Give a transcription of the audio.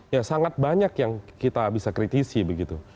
ya sangat banyak yang kita bisa kritisi begitu